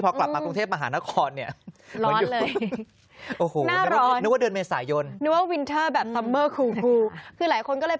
พอกลับมากรุงเทพรมาฮร้อนเลย